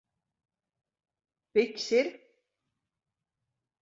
Piķis ir?